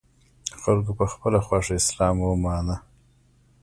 خلکو په خپله خوښه اسلام ومانه